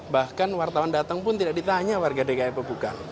bahkan wartawan datang pun tidak ditanya warga dki pebukan